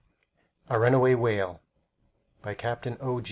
A RUNAWAY WHALE By Captain O.